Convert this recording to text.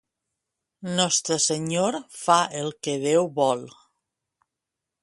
Nostre Senyor fa el que Déu vol.